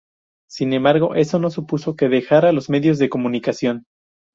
Sin embargo, eso no supuso que dejara los medios de comunicación.